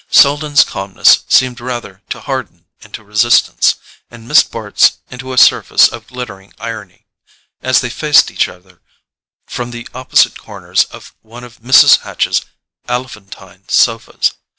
Selden's calmness seemed rather to harden into resistance, and Miss Bart's into a surface of glittering irony, as they faced each other from the opposite corners of one of Mrs. Hatch's elephantine sofas.